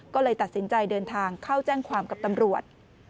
ก็เลยตัดสินใจเดินทางเข้าแจ้งความกับตำรวจ